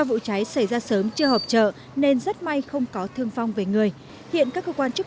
vụ cháy xảy ra sớm chưa hợp trợ nên rất may không có thương phong về người hiện các cơ quan chức